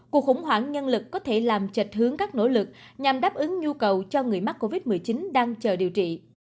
cuộc khủng hoảng nhân lực có thể làm trạch hướng các nỗ lực nhằm đáp ứng nhu cầu cho người mắc covid một mươi chín đang chờ điều trị